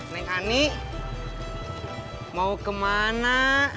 neng ani mau kemana